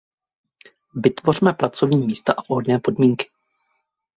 Vytvořme pracovní místa a vhodné podmínky.